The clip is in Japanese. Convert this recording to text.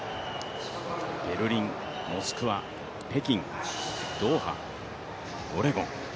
ベルリン、モスクワ、北京、ドーハ、オレゴン。